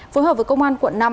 phối hợp với công an quận năm